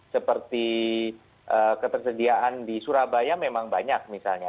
seperti ketersediaan di surabaya memang banyak misalnya